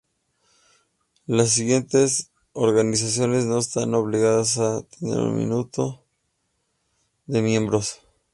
Las siguientes organizaciones no están obligadas a tener un mínimo de miembros.